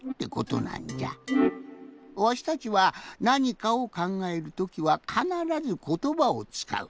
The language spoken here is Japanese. わしたちはなにかをかんがえるときはかならずことばをつかう。